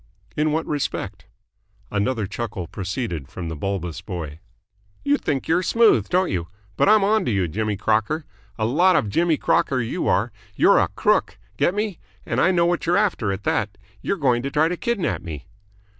"In what respect?" Another chuckle proceeded from the bulbous boy. "You think you're smooth, don't you? But I'm onto you, Jimmy Crocker. A lot of Jimmy Crocker you are. You're a crook. Get me? And I know what you're after, at that. You're going to try to kidnap me."